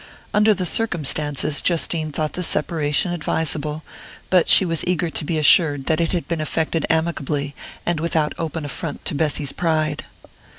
Under the circumstances, Justine thought the separation advisable; but she was eager to be assured that it had been effected amicably, and without open affront to Bessy's pride.